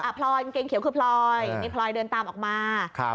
กางเกงเขียวคือพรอยเดินตามออกมา